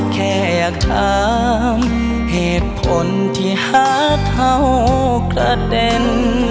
แค่อยากถามเหตุผลที่หาเท่ากระเด็น